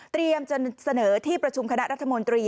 จะเสนอที่ประชุมคณะรัฐมนตรี